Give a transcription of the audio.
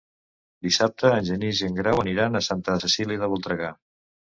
Dissabte en Genís i en Grau aniran a Santa Cecília de Voltregà.